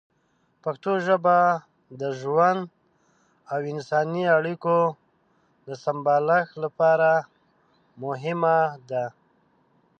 پښتو ژبه د ژوند او انساني اړیکو د سمبالښت لپاره مهمه ده.